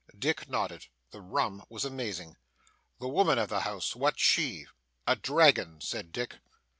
Dick nodded. The rum was amazing. 'The woman of the house what's she?' 'A dragon,' said Dick.